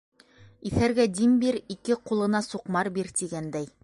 Иҫәргә дим бир, ике ҡулына суҡмар бир, тигәндәй...